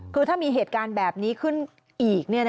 คือถ้ามีเหตุการณ์แบบนี้ขึ้นอีก